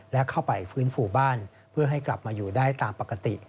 และเข้าไปฟื้นฟูบ้านเพื่อให้กลับมาอยู่ได้ตามปกติ